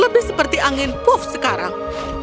lebih seperti angin pop sekarang